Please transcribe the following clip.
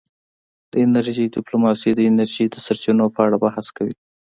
د انرژۍ ډیپلوماسي د انرژۍ د سرچینو په اړه بحث کوي